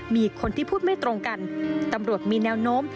มีคนที่พูดไม่ตรงกันตำรวจมีแนวโน้ม